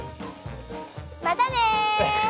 またね。